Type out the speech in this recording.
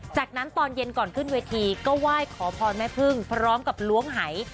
จากนั้นตอนเย็นก่อนขึ้นเวทีก็ไหว้ขอพรแม่พึ่งพร้อมกับล้วงหาย